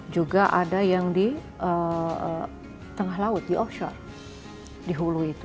juga ada yang di tengah laut di offshore di hulu itu